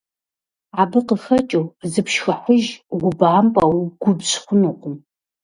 Абы къыхэкӀыу, зыпшхыхьыж, убампӀэ, угубжь хъунукъым.